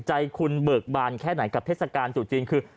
ใจคุณเบิกบานแค่ไหนกับเทศกาลจุดจีนคือ